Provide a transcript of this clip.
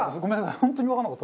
本当にわかんなかった。